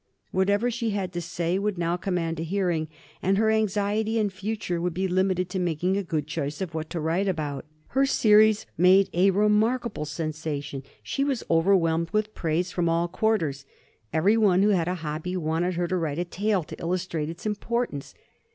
Whatever she had to say would now command a hearing, and her anxiety in future would be limited to making a good choice what to write about. Her series made a remarkable sensation; she was overwhelmed with praise from all quarters. Every one who had a hobby wanted her to write a tale to illustrate its importance.